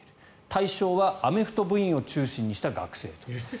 対象はアメフト部員を中心にした学生と。